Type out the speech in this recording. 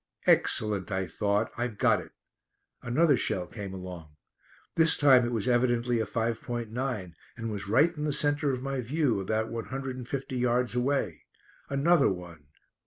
"Excellent," I thought; "I've got it." Another shell came along. This time it was evidently a 5.9, and was right in the centre of my view, about one hundred and fifty yards away! Another one.